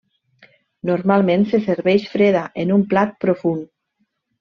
Normalment se serveix freda en un plat profund.